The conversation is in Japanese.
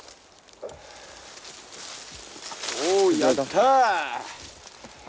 おおやった！